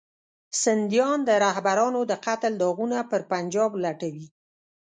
سندیان د رهبرانو د قتل داغونه پر پنجاب لټوي.